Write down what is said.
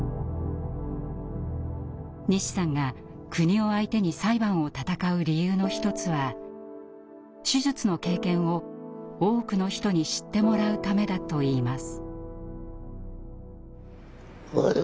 西さんが国を相手に裁判を闘う理由の一つは手術の経験を多くの人に知ってもらうためだといいます。